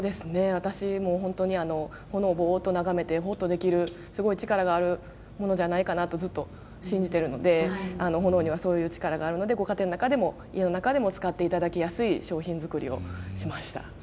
私も炎を、ぼーっと眺めてほっとできる力があるものじゃないかなとずっと信じているので炎には、そういう力があるのでご家庭の中でも家の中でも使っていただきやすい商品作りをしました。